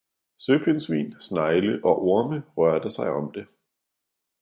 Søpindsvin, snegle og orme rørte sig om det.